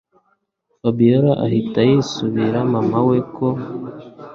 Fabiora ahita yisabira mama we ko